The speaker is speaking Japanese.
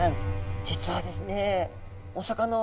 実はですね